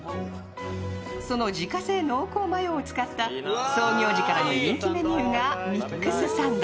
その自家製濃厚マヨを使った創業時からの人気メニューがミックスサンド。